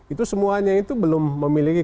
itu semuanya itu belum memiliki